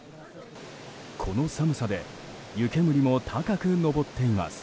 この寒さで湯煙も高く上っています。